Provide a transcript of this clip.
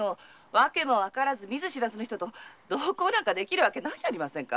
訳も判らず見ず知らずの人と同行なんてできるわけないじゃありませんか。